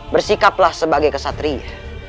bersikaplah sebagai kesatria